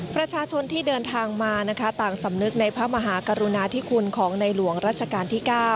ประชาชนที่เดินทางมานะคะต่างสำนึกในพระมหากรุณาธิคุณของในหลวงรัชกาลที่๙